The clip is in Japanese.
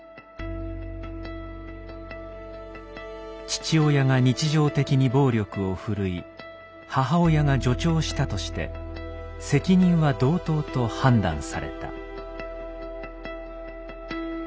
父親が日常的に暴力を振るい母親が助長したとして責任は同等と判断された。